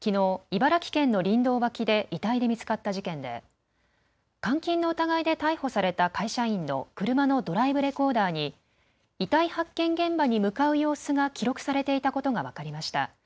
茨城県の林道脇で遺体で見つかった事件で監禁の疑いで逮捕された会社員の車のドライブレコーダーに遺体発見現場に向かう様子が記録されていたことが分かりました。